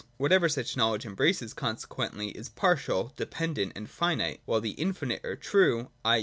Wliatever such knowledge embraces, conse quently, is partial, dependent and finite, while the infinite or true, i.